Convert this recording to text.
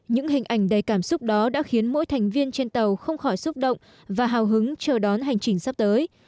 những hình ảnh đầy cảm xúc đó đã khiến mỗi thành viên trên tàu không khỏi xúc động và hào hứng chờ đón hành trình sắp tới